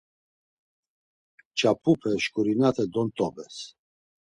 Mǩyapupe şkurnaten dot̆ǩobes.